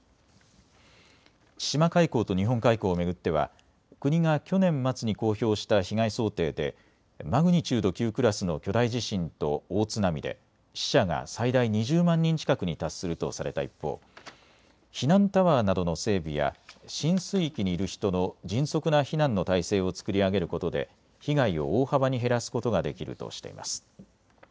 千島海溝と日本海溝を巡っては国が去年末に公表した被害想定でマグニチュード９クラスの巨大地震と大津波で死者が最大２０万人近くに達するとされた一方、避難タワーなどの整備や浸水域にいる人の迅速な避難の態勢を作り上げることで被害を大幅に減らすことができるとしています。